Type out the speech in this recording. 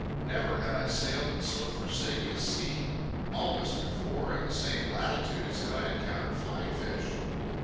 Never had I sailed on so forsaken a sea. Always, before, in the same latitudes, had I encountered flying fish.